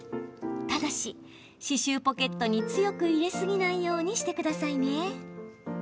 ただし、歯周ポケットに強く入れ過ぎないようにしてください。